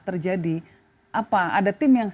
terjadi apa ada tim yang